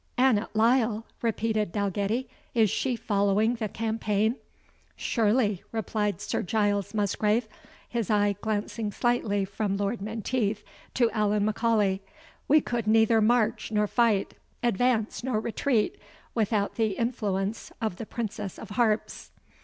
"Annot Lyle!" repeated Dalgetty, "is she following the campaign?" "Surely," replied Sir Giles Musgrave, his eye glancing slightly from Lord Menteith to Allan M'Aulay; "we could neither march nor fight, advance nor retreat, without the influence of the Princess of Harps."